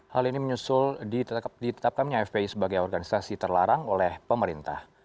hal ini menyusul ditetapkannya fpi sebagai organisasi terlarang oleh pemerintah